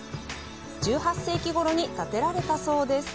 １８世紀ごろに建てられたそうです。